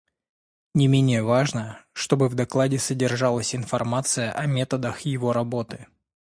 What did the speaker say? Не менее важно, чтобы в докладе содержалась информация о методах его работы.